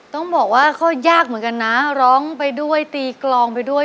ต้องบอกว่าก็ยากเหมือนกันนะร้องไปด้วยตีกลองไปด้วย